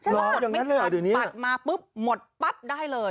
น้องอย่างนั้นเลยหรืออย่างเดี๋ยวนี้หรือไม่ทักบัตรมาปุ๊บหมดปั๊บได้เลย